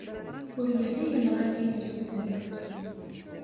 Ur yelli yenɣa-iyi usemmiḍ.